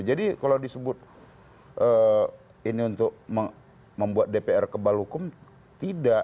jadi kalau disebut ini untuk membuat dpr kebal hukum tidak